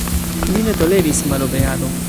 Li ne toleris malobeadon.